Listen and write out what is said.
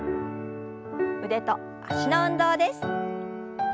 腕と脚の運動です。